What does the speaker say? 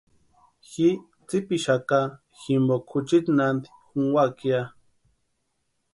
Ji tsipixaka jimpoka juchiti naanti junkwaaka ya.